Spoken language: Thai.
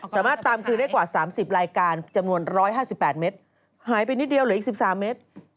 สามารถตามคืนได้กว่า๓๐รายการจำนวน๑๕๘เมตรหายไปนิดเดียวเหลืออีก๑๓เมตร